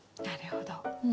なるほど。